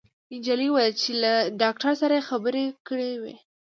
انجلۍ وويل چې له داکتر سره يې خبرې کړې وې